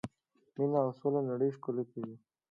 مینه او سوله نړۍ ښکلې کوي.